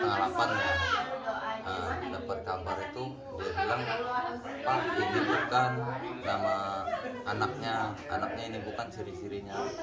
pengalaman dapat kabar itu dia bilang pak ini bukan nama anaknya anaknya ini bukan siri sirinya